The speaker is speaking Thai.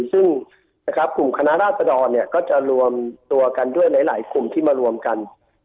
ซึ่งกลุ่มคณะราชดรก็จะรวมตัวกันด้วยหลายกลุ่มที่มารวมกัน